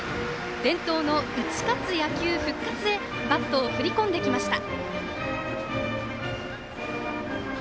伝統の打ち勝つ野球復活へバットを振り込んできました。